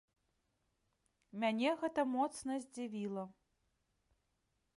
Мяне гэта моцна здзівіла.